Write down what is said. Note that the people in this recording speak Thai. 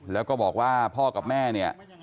แล้วก็บอกว่าพ่อกับแม่เนี่ย